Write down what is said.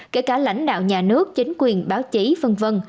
kể cả lãnh đạo nhà nước chính quyền báo chí v v